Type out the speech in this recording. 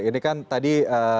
ini kan tadi